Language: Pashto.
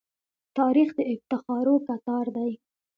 تاریخ د افتخارو کتار دی.